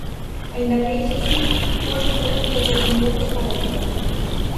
Aínda que iso si, cunhas excelentes oportunidades para a comedia.